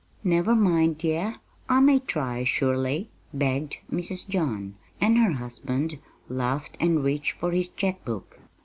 "Never mind, dear; I may try, surely," begged Mrs. John. And her husband laughed and reached for his check book.